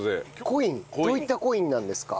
コインどういったコインなんですか？